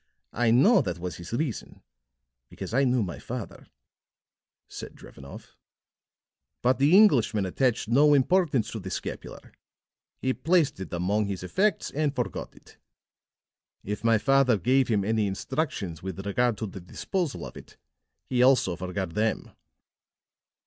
I know that was his reason, because I knew my father," said Drevenoff. "But the Englishman attached no importance to the scapular; he placed it among his effects and forgot it. If my father gave him any instructions with regard to the disposal of it, he also forgot them."